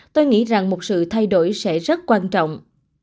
tôi nghĩ rằng một sự thay đổi sẽ rất quan trọng